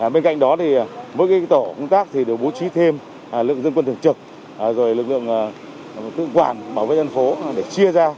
bên cạnh đó mỗi tổ công tác đều bố trí thêm lực lượng dân quân thường trực lực lượng tự quản bảo vệ dân phố để chia ra